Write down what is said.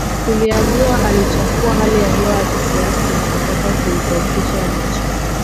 Tuliambiwa aliichafua hali ya hewa ya kisiasa na kutaka kuidhoofisha nchi